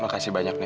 makasih banyak nek